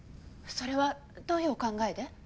それはどういうお考えで？